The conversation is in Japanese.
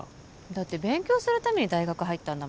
だって勉強するために大学入ったんだ